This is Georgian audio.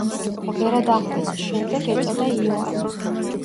ბერად აღკვეცის შემდეგ ეწოდა იოანე.